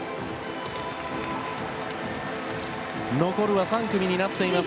残るは３組になっています。